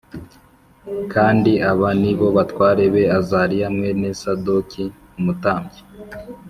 kandi aba ni bo batware be: Azariya mwene Sadoki umutambyi